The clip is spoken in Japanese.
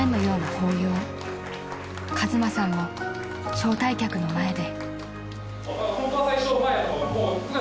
［和真さんも招待客の前で］